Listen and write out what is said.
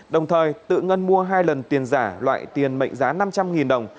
đồng thời tự ngân mua hai lần tiền giả loại tiền mệnh giá năm trăm linh đồng